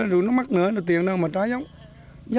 cònouch tử là n henng